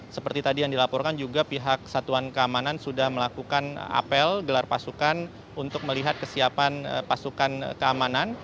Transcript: seperti tadi yang dilaporkan juga pihak satuan keamanan sudah melakukan apel gelar pasukan untuk melihat kesiapan pasukan keamanan